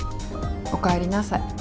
おかえりなさい。